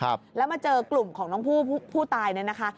ครับแล้วมาเจอกลุ่มของน้องผู้ผู้ตายเนี่ยนะคะ